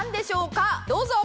どうぞ。